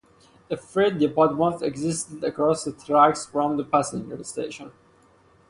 A freight depot once existed across the tracks from the passenger station.